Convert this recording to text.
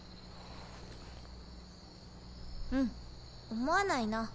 うん思わないな。